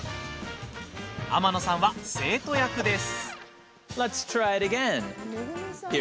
天野さんは生徒役です。